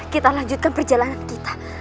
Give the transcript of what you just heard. kita lanjutkan perjalanan kita